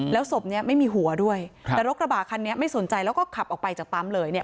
แล้วศพเนี้ยไม่มีหัวด้วยแต่รถกระบะคันนี้ไม่สนใจแล้วก็ขับออกไปจากปั๊มเลยเนี่ย